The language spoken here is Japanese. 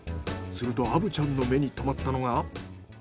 すると虻ちゃんの目に留まったのが。